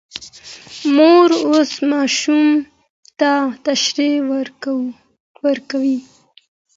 مور اوس ماشوم ته تشریح ورکوي.